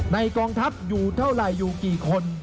กองทัพอยู่เท่าไหร่อยู่กี่คน